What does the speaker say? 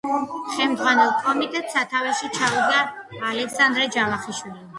ხელმძღვანელ კომიტეტს სათავეში ჩაუდგა ალექსანდრე ჯავახიშვილი.